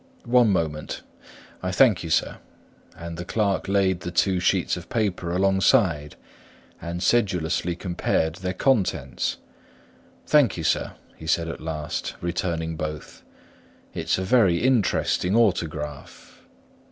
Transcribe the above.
"One moment. I thank you, sir;" and the clerk laid the two sheets of paper alongside and sedulously compared their contents. "Thank you, sir," he said at last, returning both; "it's a very interesting autograph."